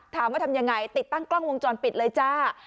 ถามว่าทำอย่างไรติดตั้งกล้องวงจรปิดเลยจ้า